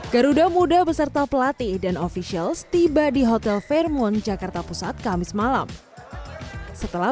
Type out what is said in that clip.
garuda muda beserta pelatih dan officials tiba di hotel fairmont jakarta pusat kamis malam setelah